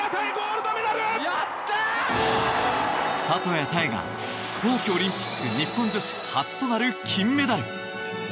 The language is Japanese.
里谷多英が冬季オリンピック日本女子初となる金メダル。